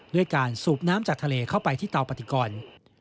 ด้วยการสูบน้ำจากทะเลเข้าไปที่เตาปฏิกร